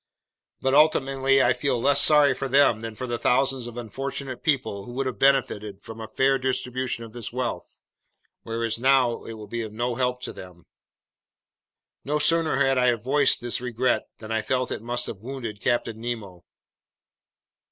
But ultimately I feel less sorry for them than for the thousands of unfortunate people who would have benefited from a fair distribution of this wealth, whereas now it will be of no help to them!" No sooner had I voiced this regret than I felt it must have wounded Captain Nemo.